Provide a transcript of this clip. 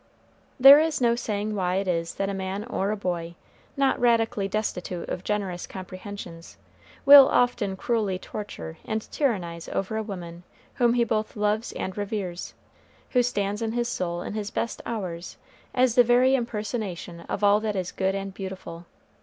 There is no saying why it is that a man or a boy, not radically destitute of generous comprehensions, will often cruelly torture and tyrannize over a woman whom he both loves and reveres, who stands in his soul in his best hours as the very impersonation of all that is good and beautiful.